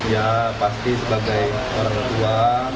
ya pasti sebagai orang tua